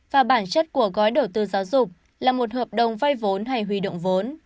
và bản chất của gói đầu tư giáo dục là một hợp đồng vay vốn hay huy động vốn